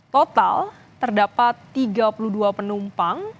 total terdapat tiga puluh dua penumpang